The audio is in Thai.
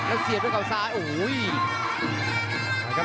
แล้วเสียบด้วยเขาซ้ายโอ้โห